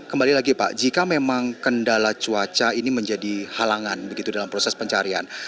kembali lagi pak jika memang kendala cuaca ini menjadi halangan begitu dalam proses pencarian